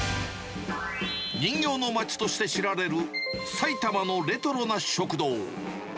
人形の町として知られる、埼玉のレトロな食堂。